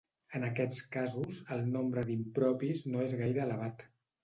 En aquests casos, el nombre d'impropis no és gaire elevat.